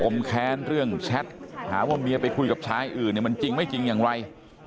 แค้นเรื่องแชทหาว่าเมียไปคุยกับชายอื่นเนี่ยมันจริงไม่จริงอย่างไร